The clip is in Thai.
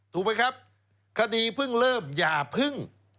ถูกไหมครับคดีเพิ่งเริ่มอย่าเพิ่ง